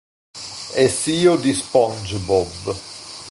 È zio di Spongebob.